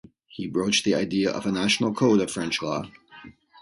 He broached the idea of a national code of French law.